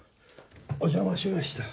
お邪魔しました。